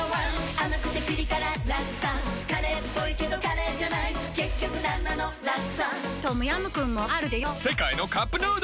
甘くてピリ辛ラクサカレーっぽいけどカレーじゃない結局なんなのラクサトムヤムクンもあるでヨ世界のカップヌードル